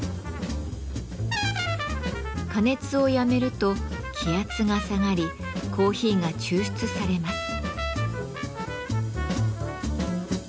加熱をやめると気圧が下がりコーヒーが抽出されます。